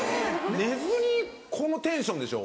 寝ずにこのテンションでしょ？